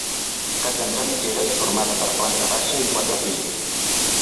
Casa entre mitgeres formada per planta baixa i quatre pisos.